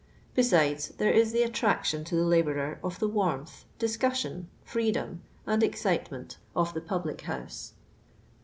Besides, there is the attraction to the labourer of the warmth, discussion, freedom, and excitement of the public house.